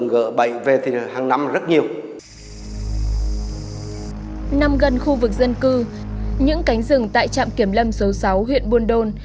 nằm gần khu vực dân cư những cánh rừng tại trạm kiểm lâm số sáu huyện buôn đôn